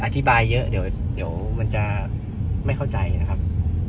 อธิบายเยอะเดี๋ยวมันจะไม่เข้าใจนะครับ